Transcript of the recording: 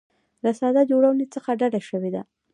له ساده جوړونې څخه ډډه شوې ده.